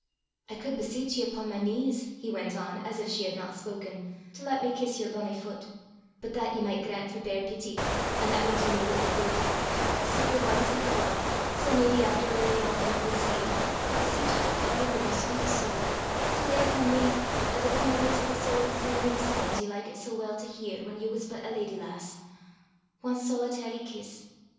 "I cud beseech ye upo' my k nees," he went on, as if she had not spoken, "to lat me kiss yer bonnie fut; but that ye micht grant for bare peety, an' that wad dee me little guid; sae for ance an' for a', till maybe efter we're a' ayont the muckle sea, I beseech at the fawvour o' yer sweet sowl, to lay upo' me, as upo' the lips o' the sowl 'at sang ye the sangs ye likit sae weel to hear whan ye was but a leddy lassie ae solitary kiss.